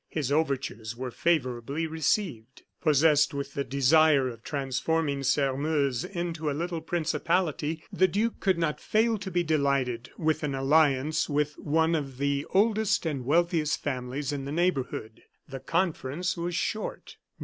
His overtures were favorably received. Possessed with the desire of transforming Sairmeuse into a little principality, the duke could not fail to be delighted with an alliance with one of the oldest and wealthiest families in the neighborhood. The conference was short.